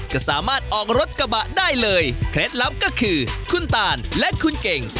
จะสามารถออกรถกระบะได้เลยเคล็ดลับก็คือคุณตานและคุณเก่ง